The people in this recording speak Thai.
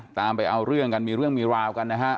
ตามไปเอาเรื่องกันมีเรื่องมีราวกันนะฮะ